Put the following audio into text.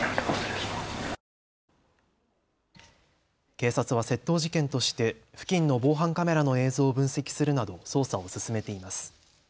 警察は窃盗事件として付近の防犯カメラの映像を分析するなど捜査を進めています。